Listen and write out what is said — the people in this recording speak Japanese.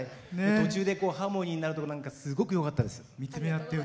途中でハーモニーになるとこなんかすごくよかったです。